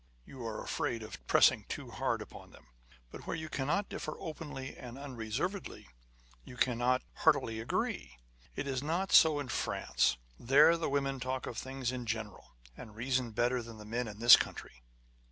You are afraid of pressing too hard upon them : but where you cannot differ openly and unreservedly, you cannot heartily agree. It is not so in France. There the women talk of things in general, and reason better than the men in this country.